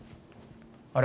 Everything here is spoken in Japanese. あれ？